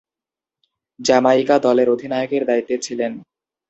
Jamaica দলের অধিনায়কের দায়িত্বে ছিলেন।